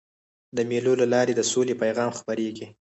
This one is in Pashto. د مېلو له لاري د سولي پیغام خپرېږي.